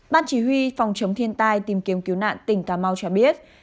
ban chỉ huy phòng chống thiên tai tìm kiếm cứu nạn tỉnh cà mau cho biết